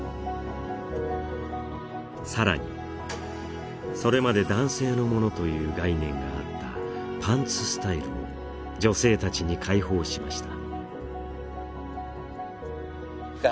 さらにそれまで男性のものという概念があったパンツスタイルを女性達に解放しました